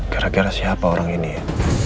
gara gara siapa orang ini ya